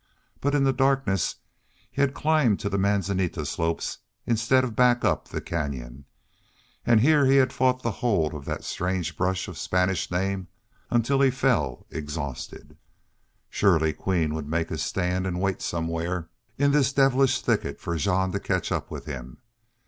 But in the darkness he had climbed to the manzanita slopes instead of back up the canyon. And here he had fought the hold of that strange brush of Spanish name until he fell exhausted. Surely Queen would make his stand and wait somewhere in this devilish thicket for Jean to catch up with him.